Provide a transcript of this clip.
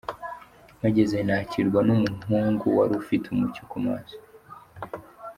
Mpageze nakirwa n’umuhungu wari ufite umucyo ku maso.